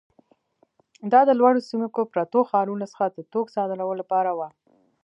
دا له لوړو سیمو کې پرتو ښارونو څخه د توکو صادرولو لپاره وه.